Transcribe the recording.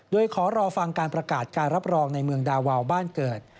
โดยขอรอฟังการประกาศการรับรองในเมืองดาวาวบ้านเกิด